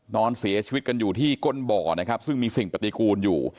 นอนเสียชีวิตกันอยู่ที่ก้นบ่อนะครับซึ่งมีสิ่งปฏิกูลอยู่